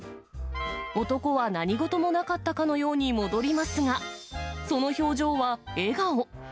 男は何事もなかったかのように戻りますが、その表情は笑顔。